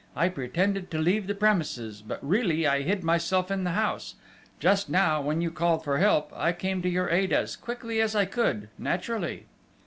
I pretended to leave the premises, but really I hid myself in the house. Just now, when you called for help, I came to your aid as quickly as I could, naturally!"